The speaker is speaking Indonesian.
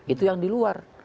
itu yang di luar